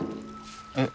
えっ？